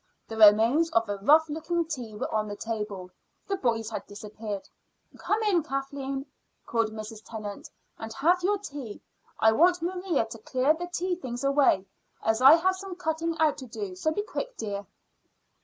The remains of a rough looking tea were on the table. The boys had disappeared. "Come in, Kathleen," called Mrs. Tennant, "and have your tea. I want Maria to clear the tea things away, as I have some cutting out to do; so be quick, dear."